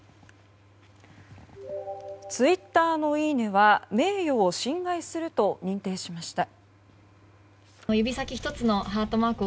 ツイッターのいいねは名誉を侵害すると認定しました。